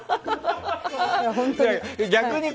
本当に。